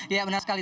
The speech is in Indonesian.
ya benar sekali